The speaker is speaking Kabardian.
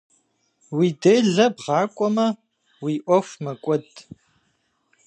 Уи делэ бгъэкIуэмэ, уи Iуэху мэкIуэд.